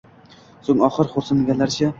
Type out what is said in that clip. So`ng og`ir xo`rsinganlaricha